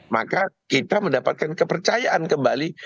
maka kita mendapatkan kepercayaan kembali